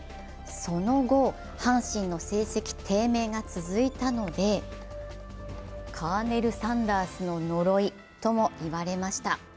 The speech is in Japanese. その後、阪神の成績低迷が続いたので、カーネルサンダースの呪いとも言われました。